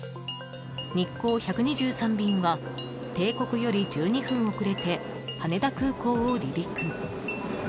日航１２３便は定刻より１２分遅れて羽田空港を離陸。